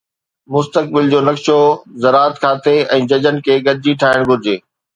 مستقبل جو نقشو زراعت کاتي ۽ ججن کي گڏجي ٺاهڻ گهرجي